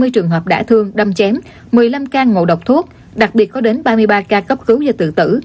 hai mươi trường hợp đã thương đâm chém một mươi năm ca ngộ độc thuốc đặc biệt có đến ba mươi ba ca cấp cứu do tự tử